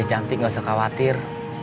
cantik gak usah khawatir